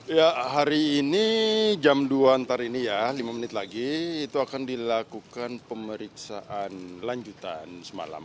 ya hari ini jam dua ntar ini ya lima menit lagi itu akan dilakukan pemeriksaan lanjutan semalam